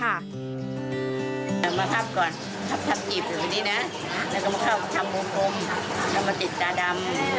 ราคาอย่างไรครับอาณาคาร์ค่ะ